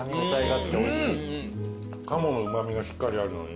カモのうま味がしっかりあるのにね